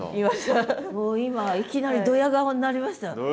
今いきなりドヤ顔になりました。